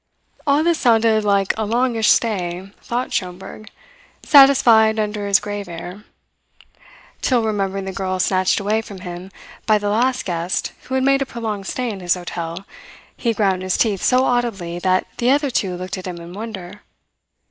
All this sounded like a longish stay, thought Schomberg, satisfied under his grave air; till, remembering the girl snatched away from him by the last guest who had made a prolonged stay in his hotel, he ground his teeth so audibly that the other two looked at him in wonder.